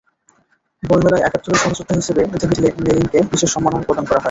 বইমেলায় একাত্তরের সহযোদ্ধা হিসেবে ডেভিড নেলিনকে বিশেষ সম্মাননা প্রদান করা হয়।